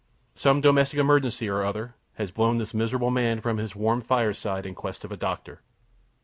Some domestic emergency or other has blown this miserable man from his warm fireside in quest of a doctor!